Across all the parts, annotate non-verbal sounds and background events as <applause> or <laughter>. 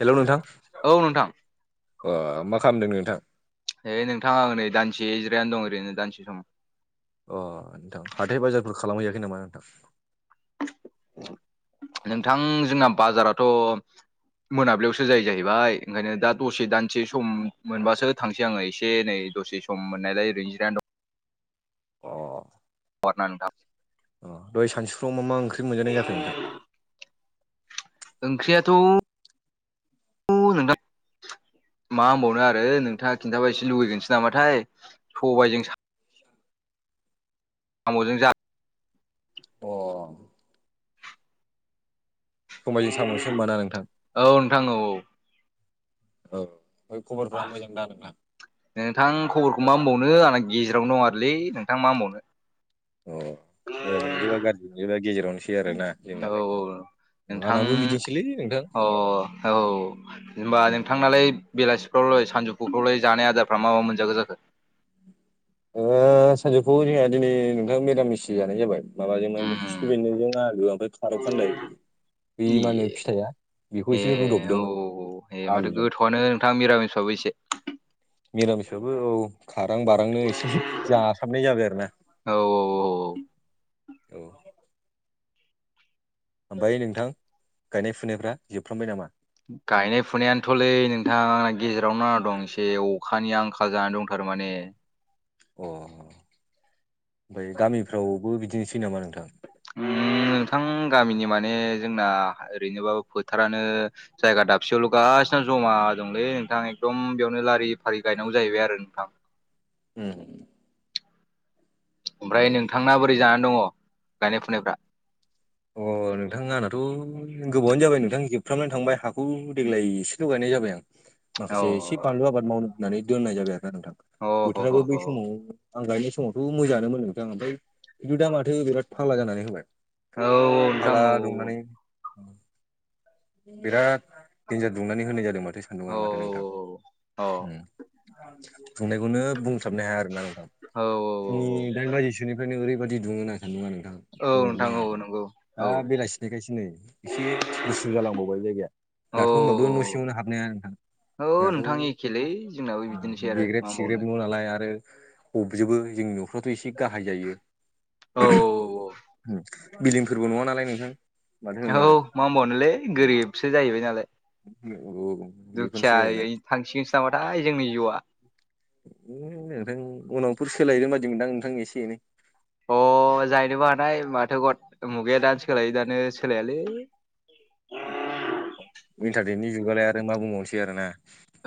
Hello नोंथां औ नोंथां अ मा खालामदों नोंथां? हैओ नोंथाङा नै दानसे जिरायना दं ओरैनो दानसे रुमाव। अ नोंथां हाथाय बाजारफोर खालामहैयाखै नामा नोंथां? नोंथां जोंना बाजाराथ' मोनाबिलियावसो जायो जाहैबाय ओंखायनो दा दसे दानसे सम मोनबासो थांसै आङो एसे नै दसे सम मोननायलाय ओरैनो जिरायना दं। अ बाना नोंथां। अ दहाय सानसुफ्राव मा मा ओंख्रि मोनजानाय जाखो नोंथां? ओंख्रियाथ' नोंथां मा होनबावनो आरो नोंथाङा खिन्थाबा एसे लुुबैगोनसो नामाथाय सबाइजों सा <inaudible> सामजों जा अ सबायजों सामसो होमबा ना नोंथां। औ नोंथां औ औ औ ओमफ्राय खबरफ्रा मोजां दा नोंना? नोंथां खबरखौ मा होनबावनो आंना गेजेरावनो दं आरोलै नोंथां मा होनबावनो। अ मोजां मोनजोबा गाज्रि मोनजोबा गेजेरावनो सै आरोना औ जोंनालाय औ आंनाबो नोंथां बिदिनोसैलै नोंथां। अ औ। जेनेबा नोंथांनालाय बेलासिफ्रावलाय सानजौफुफ्रावलाय जानाय आदारफ्रा मा मा मोनजाखो जाखो? ओ सानजौफु जोंहा दिनै नोंथां मिरामिसि जानाय जाबाय माबाजोंमोन। उम खिफि बेन्दोंजों आलु आमफ्राय खारखानदाय बे ए मा होनो फिथाइया बेखौ ए एसे रुदबदोंमोन आलुजों। <unintelligible> मिरामिसाबो एसे मिरामिसबाबो औ खारां बारांनो एसे जासाबनाय जाबाय आरो ना। औ औ औ औ ओमफ्राय नोंथां गायनाय फुनायफ्रा जोबफ्रामबाय नामा? गायनाय फुनायानोथ'लै नोंथां आंना गेजेरावनो नांनादं एसे अखानि आंखाल जानानै दंथारो माने। अ ओमफ्राय गामिफ्रावबो बिदिनोसै नामा नोंथां? उम नोंथां गामिनि माने जोंना ओरैनोबाबो फोथारानो जायगा दाबसेयावल' गासिनो जमा दंलै नोंथां एकदम बेयावनो लारि फारि गायनांगौ जाहैबाय आरो नोंथां। ओम। ओमफ्राय नोंथांना बोरै जानानै दङ गायनाय फुनायफ्रा? अ नोंथां आंनाथ' गोबावानो जाबाय नोंथां जोबफ्रामनानै थांबाय हाखौ देग्लाय एसेल' गायनाय जाबाय आं। औ माखासे एसे बानलु आबाद मावनो होननानै दोननाय जाबाय आरो नोंथां औ औ बोथोराबो औ बैस समाव आं गायनाय समावथ' मोजाङानो मोन नोंथां आं ओमफ्राय खिन्थु दामाथो बिराद फाग्ला जानानै होबाय। औ। फाग्ला औ दुंनानै बिराद देन्जार दुंनानै होनाय जादों माथो। औ सान्दुंआ माथो नोंथां ओम बुंनायखौनो बुंस्लाबनो हाया आरोना नोंथां। औ औ। फुंनि दाइन बाजिसोनिफ्रायनो ओरैबायदि दुंओना सानदुंआ नोंथां बुंनानो नांङा। नंगौ नंगौ। दा औ बेलासिनाखायसो नै एसे गुसु जालांबावबाय बे जायगाया। दाथ' होमबाबो न' सियावनो हाबनाया नोंथां। औ जोंहाथ' नोंथां एखेलै। जोंनाबो बिदिनोसै आरो गेग्रेब मा सिग्रेब होनबावनो न नालाय आरो हबजोबो जोंनि न'फ्राथ' एसे गाहाय जायो। औ बिल्दींफोरबो नङा नालाय नोंथां। माथो औ होनो मा आरो होनबावनोलै गोरिबसो जाहैबाय नालाय। औ बेफोरनोसै आरोना दुखियायैनो थांसिगोनसो नामाथाय जोंनि जिउआ। नोंथां उनावफोर सोलायगोन बादिमोनदां नोंथां एसे एनै। अ जाहैनोबो हानाय माथो गद मुगाया दानो सोलायो दानो सोलायालै। इन्टारनेटनि जुगालाय आरो मा बुंबावनोसै आरो ना।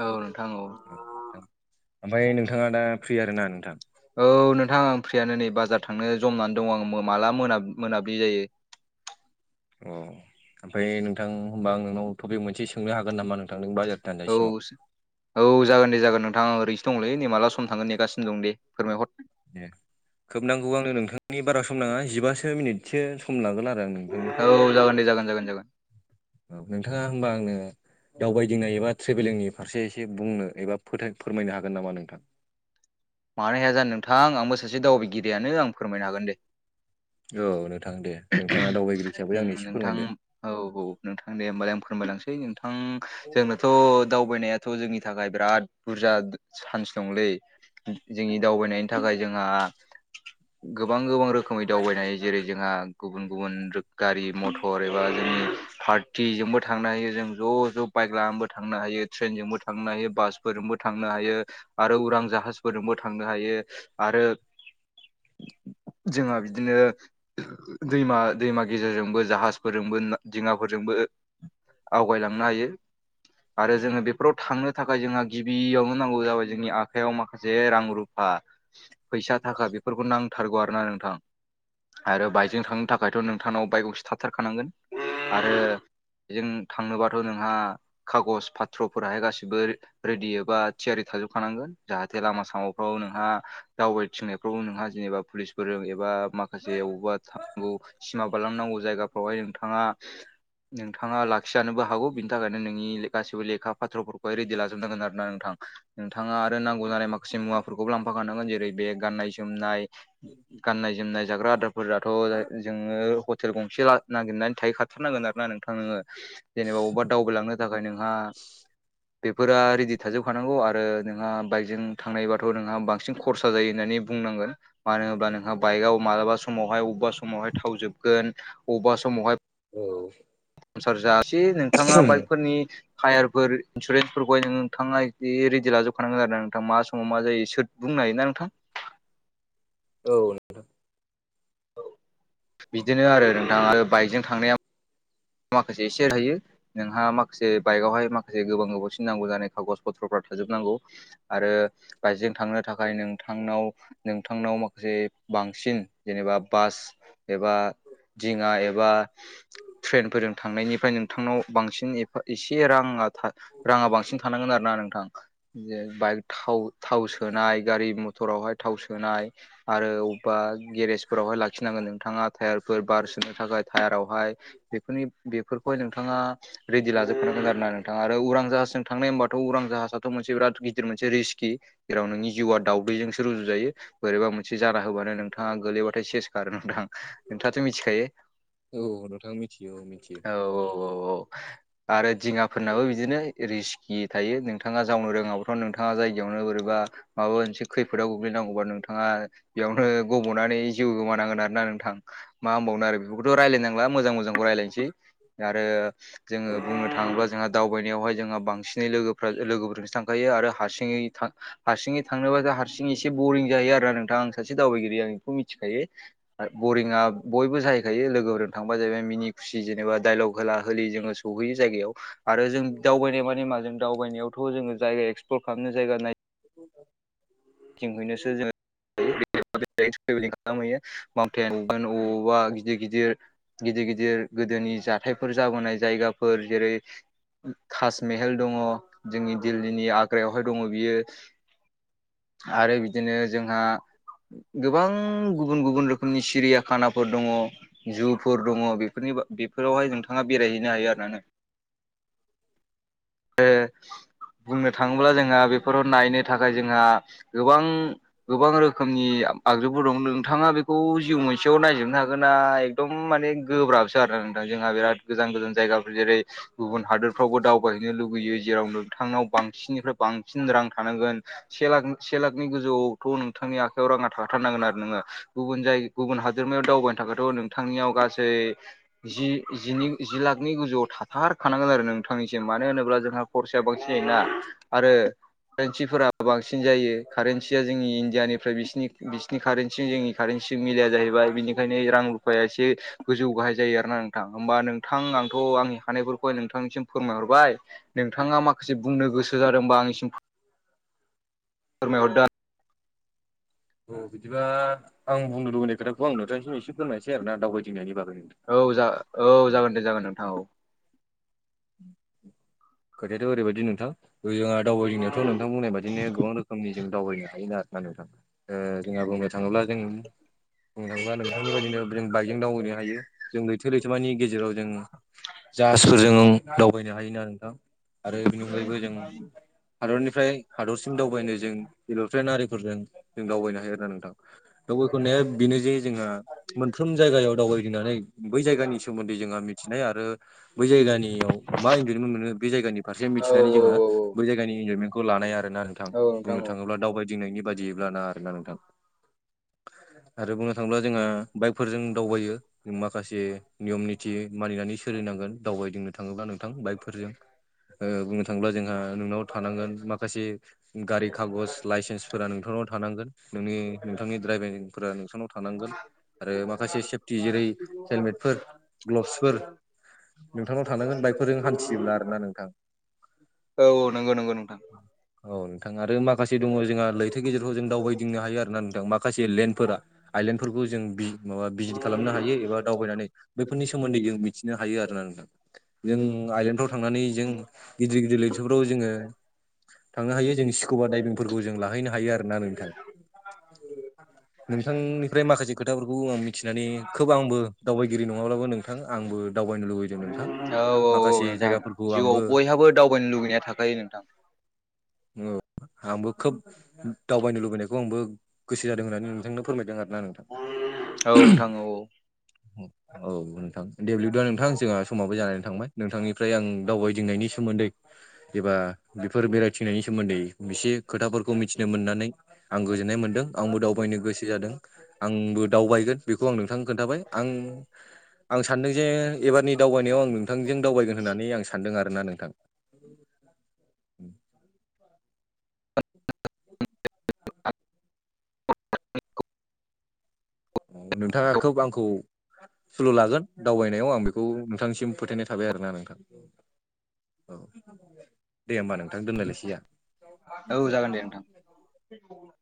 औ नोंथां <inaudible> औ ओमफ्राय नोंथाङा दा फ्रि आरोना नोंथां? औ नोंथां आं फ्रियानो नै बाजार थांनो जमनानै दं आं माला मोन मोनाब्लि जायो। अ ओमफ्राय नोंथां होमबा आं नोंनाव टपिक मोनसे सोंनो हागोन नामा नोंथां नों बाजार औ दान्जासिमाव औ। औ जागोन दे जागोन नोंथां आं ओरैसो दंलै नै माला सम थांगो नेसिनो दं दे फोरमायहर। दे खोबनांगौ आंनो नोंथांनि बारा सम नाङा जिबासो मिनिट। एसे सम लागोन आरो आं नोंथांनि। औ जागोन दे जागोन जागोन जागोन औ नोंथाङा होमबा आंनो दावबायदिंनाय एबा ट्रेभेलिंनि फारसे एसे बुंनो एबा फथाय फोरमायनो हागोन नामा नोंथां? मानो हाया जानो नोंथां आंबो सासे दावबायगिरियानो आं फोरमायनो हागोन दे। औ नोंथां दे नोंथाङा दावबायगिरि हिसाबै उम आंनो एसे नोंथां फोरमायदो। औ औ नोंथां दे होमबालाय आं फोरमायलांसै। नोंथां जोंनोथ' दावबायनाया थ' जोंनि थाखाय बिराद बुरजा चान्स दंलै। जोंनि दावबायनायनि थाखाय जोंहा गोबां गोबां रोखोमै दावबायनाय जेरै जोंहा गुबुन गुबुन गारि मथर एबा जोंनि पार्टिजोंबो थांनो हायो जों ज' ज' बाइक लानानैबो थांनो हायो, ट्रेनजोंबो थांनो हायो, बासफोरजोंबो थांनो हायो। आरो उरां जाहाजफोरजोंबो थांनो हायो आरो जोंहा बिदि बिदिनो दैमा दैमा गेजेरजोंबो जाहाजफोरजोंबो दिङाफोरजोंबो आवगायलांनो हायो। आरो जोंङो बेफोराव थांनो थाखाय जोंहा गिबियावनो नांगौ जाबाय जोंनि आखाइयाव मा जे रां रुफा फैसा थाखा बेफोरखौ नांथारगौ आरो ना नोंथां। आरो बाइकजों थांनो थाखायथ' नोंथांनाव बाइक गंसे थाथारखानांगोन आरो बेजों थांनोबाथ' नोंहा खागज पाथ्र'फोराहाय गासिबो रेडि एबा थियारि थाजोबखानांगोन जाहाथे जे लामा सामाफ्राव नोंहा दावबायथिंनायफ्रावबो नोंहा जेनेबा पुलिसफोरजों एबा माखासे एवबा थांगौ सिमा बारलांनांगौ जायगाफ्रावहाय नोंथाङा नोंथाङा लाखिजानोबो हागौ। थाखायनो नोंनि गासैबो लेखा फत्रफोरखौहाय रेडि लाजोबनांगोन आरो ना नोंथां नोंथाङा आरो नांगौ नांगौ जानाय माखासे मुवाफोरखौबो लांफाखानांगोन जेरै बे गाननाय जोमनाय। गाननाय जोमनाय जाग्रा आदारफोराथ' जोङो हटेल गंसे नागिरनानै थाहैखाथारनांगोन आरो ना नोंथां नोङो जेनेबा बबेबा दावबायलांनो थाखाय नोंहा बेफोरा रेडि थाजोबखानांगौ आरो नोंहा बाइकजों थांनायबाथ' नोंहा बांसिन खरसा जायो होन्नानै बुंनांगोन मानो होनबा नोंहा बाइकआव मालाबा समावहाय अबा समावहाय थावजोबगोन अबा समावहाय औ। संसार जासि नोंथाङा बाइकफोरनि हायारफोर इन्सुरेन्सफोरखौहाय नोंथाङा ए रेडि लाजोबखानांगोन आरो ना नोंथां मा समाव मा जायो सोर बुंनो हायोना नोंथां? औ। बिदिनो आरो नोंथाङा बाइकजों थांनायाव माखासे एसेहयो <inaudible> नोंहा माखासे बाइकआवहाय माखासे गोबां गोबावसिन नांगौ जानाय कागज पथ्रफ्रा थाजोबनांगौ। आरो बाइकजों थांनो थाखाय नोंथांनाव नोंथांनाव माखासे बांसिन जेनेबा बास एबा दिङा एबा ट्रेन फोरजों थांनायनिफ्राय नोंथांनाव बांसिन एा एसे राङा राङा बांसिन थानांगोन आरो ना नोंथां। जे बाइक थाव थाव सोनाय गारि मथरावहाय थाव सोनाय। आरो अबेबा गेरेजफोरावहाय लाखिनांगोन नोंथाङा। टायारफोर बारसोनो थाखाय टायारावहाय बेफोरनि बेफोरखौहाय नोंथाङा रेडि लाजोबखानांगोन आरोना नोंथाङा आरो उरां जाहाजजों थांनाय होनबाथ' उरां जाहाजाथ' मोनसे बिराद गिदिर मोनसे रिस्कि। जेराव नोंनि जिउआ दावदैजोंसो रुजुजायो। बोरैबा मोनसे जाना होबानो नोंथाङा गोलैबाथाय सेस खारो नोंथां। नोंथाङाथ' मिथिखायो? औ नोंथाङां मिथियो मिथियो। औ औ औ औ आरो दिङाफोरनाबो बिदिनो रिस खि थायो नोंथाङा जावनो रोङाब्लाथ' नोंथाङा जायगायावनो बोरैबा माबा मोनसे खैफोदाव गोग्लैनांगौबा नोंथाङा बेयावनो गब'नानै जिउ गोमानांगोन आरोना नोंथां मा होनबावनो आरो बेखौथ' रायलायनांला। मोजां मोजांखौ रायलायनोसै आरो जोङो औ बुंनो थाङोब्ला जोंहा दावबायनायावहाय जोंहा बांसिनै लोगोफ्रा लोगोफोरजोंसो थांखायो आरो हारसिङै हारसिङै थांनोबाथ' हारसिंयै एसे बरिं जायो आरो ना नोंथां आं सासे दावबायगिरि आं बेखौ मिथिखायो। बरिंआ बयबो जाहैखायो लोगोफोरजों थांबा जाहैबाय मिनि खुसि जेनेबा दाइलग होला होलि जोङो सौहैयो जायगायाव। आरो जों दावबायनाय मानि माजों दावबायनायावथ' जोङो जायगा एक्सप्लर खालामनो जायगा नाय <unintelligible> <unintelligible> जोङो <unintelligible> अबावबा गिदिर गिदिर गिदिर गिदिर गोदोनि जाथायफोर जाबोनाय जायगाफोर जेरै ताजमेहेल दङ' जोंनि दिल्लीनि आग्रायावहाय दङ' बियो। आरो बिदिनो जोंहा गोबां गुबुन गुबुन रोखोमनि सिरियााखानाफोर दङ। जुफोर दङ बेफोरनि बेफोरावहाय नोंथाङा बेरायहैनो हायो आरो बुंनो थाङोब्ला जोंहा बेफोराव नायनो थाखाय जोंहा गोबां गोबां रोखोमनि आगजुबो दं। नोंथाङा बेखौ जिउ मोनसेयाव नायजोबनो हागोना एकदम माने गोब्राबसै नोंथां जोंहा बिराद गोजान गोजान जायगाफोर जेरै गुबुन हादोरफ्रावबो दावबायो नो <inaudible> लुुबैयो जेराव नोंथांनाव बांसिननिफ्राय बांसिन रां थानांगोन। से लाख से लाखनि गोजौआवथ' नोंथांनि आखायाव राङा थाखाथारनांगोन आरो नोङो। गुबुन जायग गुबुन हादोरमायाव दावबायनो थाखायथ' नोंथांनियाव गासै जि जिनि जि लाखनि गोजौआव थाथारखानांगोन आरो नोंथांनिसिम। मानो होनोब्ला जोंहा खरसाया बांसिन जायोना आरो कारेन्सिफोरा बांसिन जायो कारन्सिया जोंनि इण्डियानिफ्राय बिसिनि बिसिनि कारेन्सि जोंनि कारेन्सिजों मिलाया जाहैबाय बेनिखायनो रां रुफाया एसे गोजौ गाहाय जायो आरो ना नोंथां होमबा नों थां आंथ' आंनि हानायफोरखौहाय नोंथांनिसिम फोरमायहर बाइ नोंथाङा माखासे बुंनो गोसो जादोंबा आंनिसिम फोरमायहरदो औ बिदिबा आं बुंनो लुबैनाय खोथाखौ आं नोंथांनिसिम एसे फोरमायसै आरोना दावबायदिंनायनि बागै। औ जा औ जागोन दे जागोन नोंथां औ। <inaudible> खोथायाथ' ओरैबायदि नोंथां जोंहा दावबायदिंनायावथ'नोंथां बुंनाय बायदिनो गोबां रोखोमनि जों दावबायनो हायो ना <unintelligible> नोंथां ओ जोंहा बुंनो थाङोब्ला जों बुंनो थाङोबा नोंथांनि बायदिनो जों बाइकजों दावबायैनो हायो जों लैथो लैथोमानि गेजेराव जों जाहासफोरजों दावबायनो हायोना नोंथां? आरो बेनि अनगायैबो जोङो हादरनिफ्राय हादरसिम दावबायनो जों एर'प्लेन आरिफोरजों जों दावबायनो हायो आरोना नोंथां। दा <unintelligible> बेनो जे जोंहा मोनफ्रोम जायगायाव दावबायदिंनानै बै जायगानि सोमोन्दै जोंहा मिथिनाय आरो बै जायगानियाव मा इनजयमेन्ट मोनो बे जायगानि फारसे औ मिथिनानै जोंहा औ बै जायगानि इनजयमेन्टखौ लानाय आरोना नोंथां औ बुंनो औ थाङोब्ला दावबाय दिनैनि बायदियैब्ला ना आरोना नोंथां। आरो बुंनो थाङोब्ला जोंहा बाइकफोरजों दावबायो माखासे नियम निथि मानिनानै सोलिनांगोन दावबायदिंनो थाङोब्ला नोंथां बाइकफोरजों। ओ बुंनो थाङोब्ला जोंहा नोंनाव थानांगोन माखासे गारि खागज लाइसेन्सफोरा नोंथांनाव थानांगोन नोंनि नोंथांनि दड्राइभिंफोरा नोंथांनाव थानांगोन आरो माखासे सेभटि जेरै हेलमेटफोर ग्लबसफोर नोंथांनाव थानांगोन बाइकफोरजों हान्थियोब्ला आरोना नों औ नंगौ नंगौ नोंथां। औ नोंथां आरो माखासे दङ' जोंहा लै दो गेजेराव जों दावबायदिंनो हायो आरो ना नोंथां माखासे लेण्डफोरा आइलेण्डफोरखौ जों बि माबा भिजित खालामनो हायो एबा दावबायनानै बैफोरनि सोमोन्दै जों मिथिनो हायो आरोना नोंथां। जों आइलेण्डफ्राव थांनानै जों गिदिर गिदिर लैथोफ्राव जोङो थांनो हायो जों स्कबा दाइभिंफोरखौ जों लाहैनो हायो आरोना नोंथां। नोंथांनिफ्राय माखासे खोथाफोरखौ आं मिथिनानै खोब आंबो दावबायगिरि नङाब्लाबो नों नोंथां आंबो दावबायनो लुबैदों नोंथां औ औ औ माखासे नोंथां जायगा जिउआव बयहाबो दावबायनो लुुबैनाया थाखायो नोंथां। औ आंबो खोब दावबायनो लुबैनायखौ आंबो गोसो जादों होननानै नोंथांनो फोरमायदों आरोना आं। औ नोंथां औ। औ नोंथां दे बेदिबा नोंथां जोंहा समाबो जानानै थांबाय नोंथांनिफ्राय आं दावबायदिंनायनि सोमोन्दै। एबा बेफोर बेरायथिंनायनि सोमोन्दै एसे खोथाफोरखौ मिथिनो मोननानै आं गोजोननाय मोन्दों आंबो दावबायनो गोसो जादों। आंबो दावबायगोन बेखौ आं नोंथांनो खोन्थाबाय आं आं सानदों जे एबारनि दावबायनायाव आं नोंथांजों दावबायगोन होननानै आं सानदों आरो ना नोंथां। <unintelligible> नोंथाङा खोब आंखौ सुलु लागोन दावबायनायाव आं बेखौ नोंथांनिसिम फोथायनाय थाबाय आरोना नोंथां। औ दे होमबा नोंथां दोनलायलायसै औ जाहा। जागोन दे नोंथां औ <inaudible>